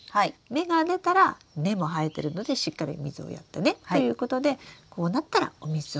芽が出たら根も生えてるのでしっかりお水をやってねということでこうなったらお水をやってください。